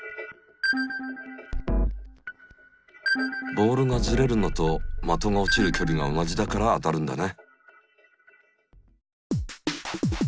ボールがずれるのと的が落ちるきょりが同じだから当たるんだね。